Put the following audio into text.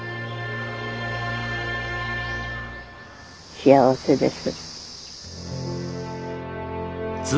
幸せです。